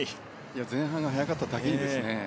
前半が速かっただけにですね。